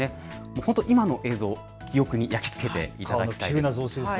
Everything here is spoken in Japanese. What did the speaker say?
本当、今の映像、記憶に焼き付けていただきたいと思います。